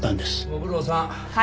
ご苦労さん。